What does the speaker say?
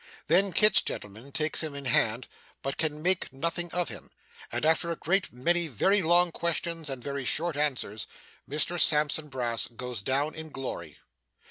Then, Kit's gentleman takes him in hand, but can make nothing of him; and after a great many very long questions and very short answers, Mr Sampson Brass goes down in glory.